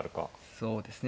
そうですね。